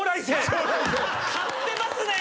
買ってますね。